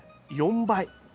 ４倍。